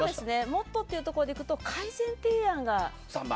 もっとというところでいくと改善提案が。